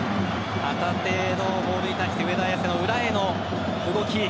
旗手のボールに対して上田綺世の裏への動き。